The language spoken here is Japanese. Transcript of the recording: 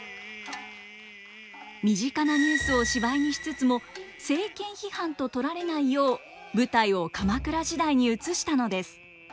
身近なニュースを芝居にしつつも政権批判と取られないよう舞台を鎌倉時代に移したのです。